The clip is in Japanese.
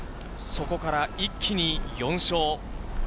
そこから一気に４勝。